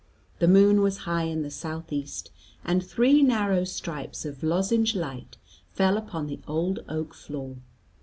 The moon was high in the south east, and three narrow stripes of lozenged light fell upon the old oak floor.